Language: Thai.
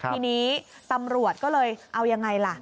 ทีนี้ตำรวจก็เลยเอายังไงล่ะ